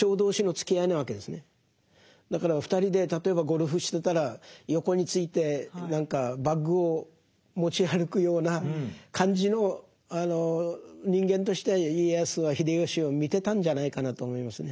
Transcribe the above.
だから２人で例えばゴルフしてたら横について何かバッグを持ち歩くような感じの人間として家康は秀吉を見てたんじゃないかなと思いますね。